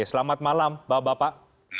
selamat malam bapak bapak